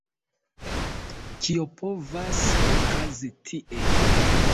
Kio povas okazi tie?